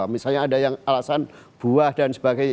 misalnya ada yang alasan buah dan sebagainya